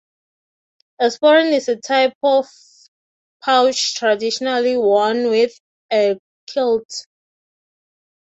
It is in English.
A sporran is a type of pouch traditionally worn with a kilt.